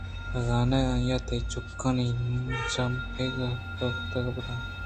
بِہ زاں آئی ءَ تئی چُکّانی چامپگ ءَ ہینژ کُت ءُ بُرتاں